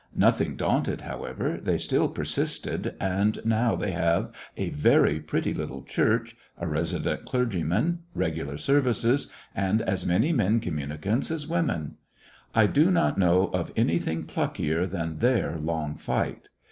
Nothing daunted, however, they still persisted, and now they have a very pretty little church, a resident clergyman, regular services, and as many men communicants as women. I do not know of anything pluckier than their long fight.